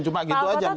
cuma gitu aja mungkin